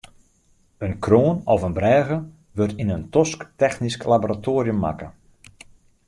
In kroan of in brêge wurdt yn in tosktechnysk laboratoarium makke.